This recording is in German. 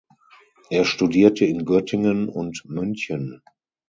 Er studierte in Göttingen und München.